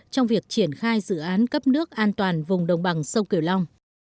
trong việc triển khai dự án cấp nước an toàn vùng đồng bằng sông kiều long